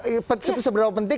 itu seberapa penting